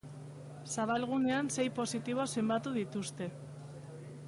Zabalgunean sei positibo zenbatu dituzte.